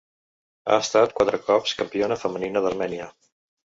Ha estat quatre cops campiona femenina d'Armènia.